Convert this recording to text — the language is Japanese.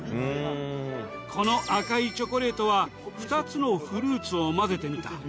この赤いチョコレートは２つのフルーツを混ぜてみた。